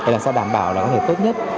làm sao đảm bảo nó có thể tốt nhất